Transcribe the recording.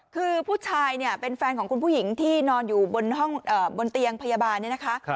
คือผู้ชายเนี่ยเป็นแฟนของคุณผู้หญิงที่นอนอยู่บนเตียงพยาบาลเนี่ยนะคะ